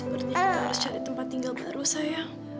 sepertinya kita harus cari tempat tinggal baru sayang